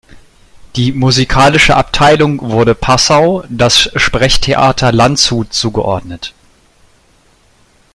Die musikalische Abteilung wurde Passau, das Sprechtheater Landshut zugeordnet.